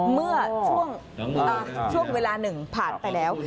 เมื่อช่วงเวลาหนึ่งผ่านไปแล้ว